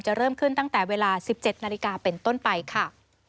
เริ่มขึ้นตั้งแต่เวลา๑๗นาฬิกาเป็นต้นไปค่ะ